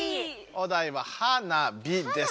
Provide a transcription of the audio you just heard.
お題は「はなび」です。